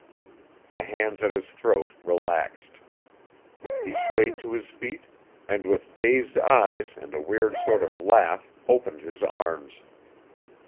The hands at his throat relaxed. He swayed to his feet and with dazed eyes and a weird sort of laugh opened his arms.